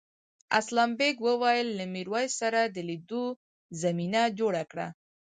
اسلم بېگ وویل له میرويس سره د لیدو زمینه جوړه کړه.